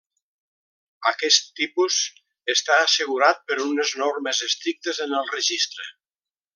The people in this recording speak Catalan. Aquest tipus està assegurat per unes normes estrictes en el registre.